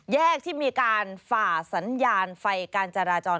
แยกที่มีการฝ่าสัญญาณไฟการจราจร